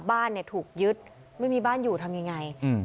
บ้านเนี่ยถูกยึดไม่มีบ้านอยู่ทำยังไง